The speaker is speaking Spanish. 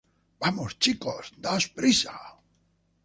¡ vamos, chicos! ¡ daos prisa!